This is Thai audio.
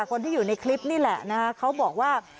คนที่อยู่ในคลิปนี่แหละนะคะเขาบอกว่า